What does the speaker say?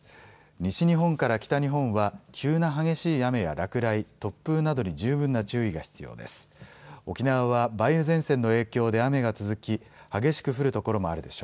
西日本から北日本は急な激しい雨や落雷、突風などに十分な注意が必要です。